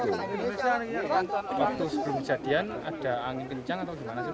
waktu sebelum kejadian ada angin kencang atau gimana sih